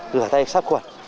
đưa tay sát khoản